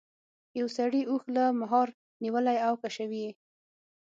یو سړي اوښ له مهار نیولی او کشوي یې.